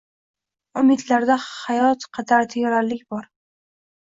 Umidlarda hayot qadar teranlik bor